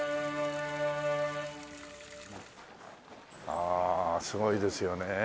ああすごいですよね。